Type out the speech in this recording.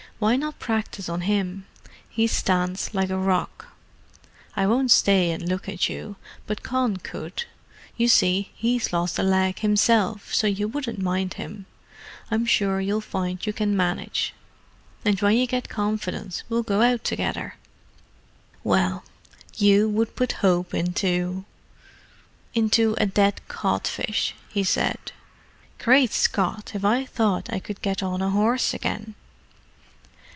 "Why not practise on him? He stands like a rock. I won't stay and look at you, but Con could—you see he's lost a leg himself, so you wouldn't mind him. I'm sure you'll find you can manage—and when you get confidence we'll go out together." "Well, you would put hope into—into a dead codfish!" he said. "Great Scott, if I thought I could get on a horse again!"